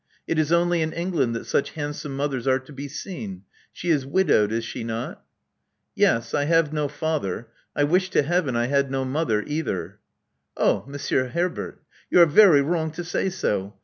It is only in England that such handsome mothers are to be seen. She is widowed, is she not?" Yes. I have no father. I w ish to Heaven I ha( nom other either. " /^.^IUaJZilJmClXav^ Oh, Monsieur Herbert! You are very wrong to say so.